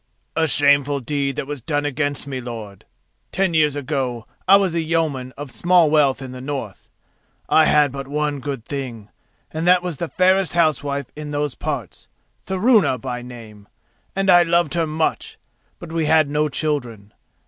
"A shameful deed that was done against me, lord. Ten years ago I was a yeoman of small wealth in the north. I had but one good thing, and that was the fairest housewife in those parts—Thorunna by name—and I loved her much, but we had no children.